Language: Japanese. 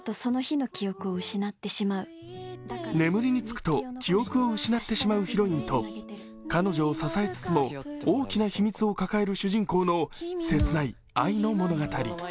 眠りにつくと記憶を失ってしまうヒロインと彼女を支えつつも大きな秘密を抱える主人公の切ない愛の物語。